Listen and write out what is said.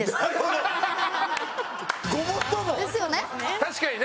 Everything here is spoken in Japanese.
確かにね。